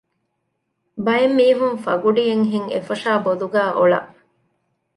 ބައެއް މީހުން ފަގުޑިއެއްހެން އެފޮށާ ބޮލުގައި އޮޅަ